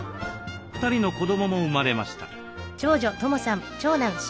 ２人の子どもも生まれました。